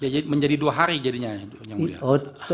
jadi menjadi dua hari jadinya yang mulya